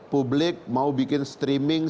publik mau bikin streaming